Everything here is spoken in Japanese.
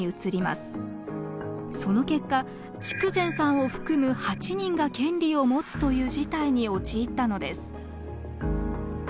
その結果筑前さんを含む８人が権利を持つという事態に陥ったのです。